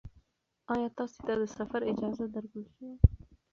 ایا تاسې ته د سفر اجازه درکړل شوه؟